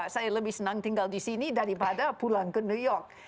saya lebih senang tinggal di sini daripada pulang ke new york